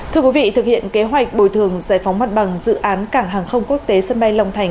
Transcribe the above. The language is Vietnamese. thưa quý vị thực hiện kế hoạch bồi thường giải phóng mặt bằng dự án cảng hàng không quốc tế sân bay long thành